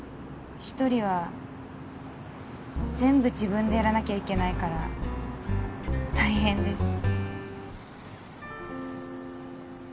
一人は全部自分でやらなきゃいけないから大変です。